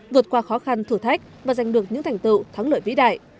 vượt qua khó khăn thử thách và giành được những thành tựu thắng lợi vĩ đại